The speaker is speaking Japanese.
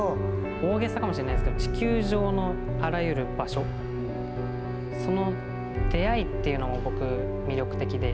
大げさかもしれないですけど、地球上のあらゆる場所、その出会いというのが僕、魅力的で。